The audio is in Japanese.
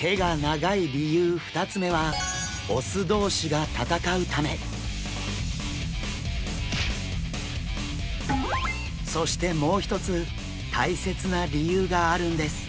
手が長い理由２つ目は雄同士がそしてもう一つ大切な理由があるんです。